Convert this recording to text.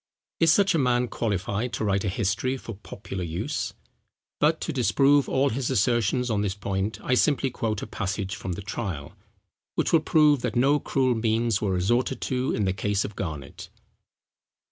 Is such a man qualified to write a history for popular use? But to disprove all his assertions on this point, I simply quote a passage from the Trial, which will prove that no cruel means were resorted to in the case of Garnet.